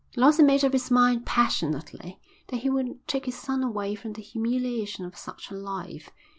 Lawson made up his mind passionately that he would take his son away from the humiliation of such a life.